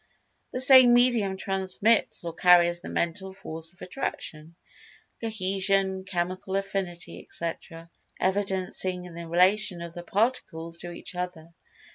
The same medium transmits or carries the Mental Force of Attraction—Cohesion, Chemical Affinity, etc., evidencing in the relation of the Particles to each other.